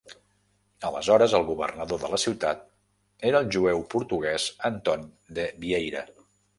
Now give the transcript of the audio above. Aleshores el governador de la ciutat era el jueu portuguès Anton de Vieira.